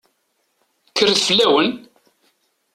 Kkret fell-awen!